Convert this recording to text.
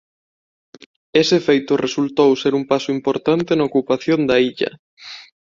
Ese feito resultou ser un paso importante na ocupación da illa.